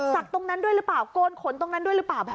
ตรงนั้นด้วยหรือเปล่าโกนขนตรงนั้นด้วยหรือเปล่า